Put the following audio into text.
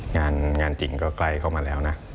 งานจริงก็ไกลเข้ามาแล้วนะ